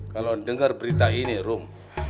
kalo denger berita ini rum